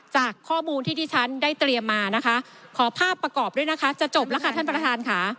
จากข้อมูลที่ที่ฉันได้เตรียมมานะคะขอภาพประกอบด้วยนะคะจะจบแล้วค่ะท่านประธานค่ะ